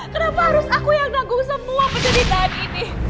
kenapa harus aku yang nanggung semua penceritaan ini